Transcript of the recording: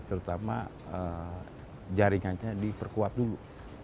terutama jaringannya diperkuat dulu